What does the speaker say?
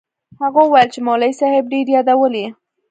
هغه وويل چې مولوي صاحب ډېر يادولې.